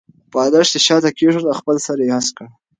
بالښت یې شاته کېښود او خپل سر یې هسک کړ.